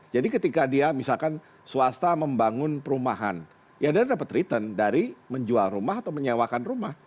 jadi ketika dia misalkan swasta membangun perumahan ya dia dapat return dari menjual rumah atau menyewakan rumah